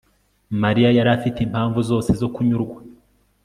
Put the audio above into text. Mariya yari afite impamvu zose zo kunyurwa